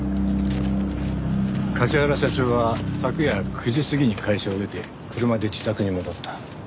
梶原社長は昨夜９時過ぎに会社を出て車で自宅に戻った。